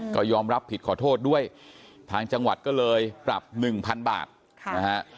ก็ยอมรับผิดขอโทษด้วยทางจังหวัดก็เลยปรับหนึ่งพันบาทนะฮะ